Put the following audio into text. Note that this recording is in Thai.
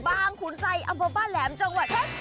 บางขุนไซค์อำภาบาดแหลมจังหวัดเท็กทรัพย์ปุริ